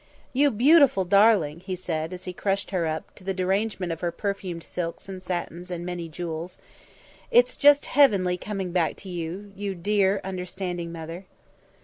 "You beautiful darling!" he said, as he crushed her up, to the derangement of her perfumed silks and satins and many jewels. "It's just heavenly coming back to you, you dear, understanding mother."